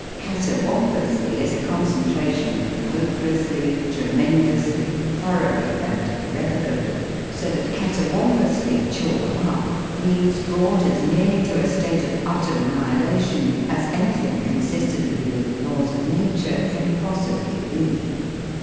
" Catawampously" is a concentration of " hopelessly," "tremendously," "thoroughly," and "irrevocably;" so that " catawampously chawed up," means, brought as nearly to a state of utter annihilation as anything consistently with the laws of nature can possibly be.